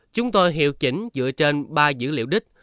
chúng tôi hiệu chỉnh dựa trên ba dữ liệu đích